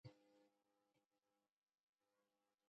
د غنمو حاصلات په خروارونو موجود وي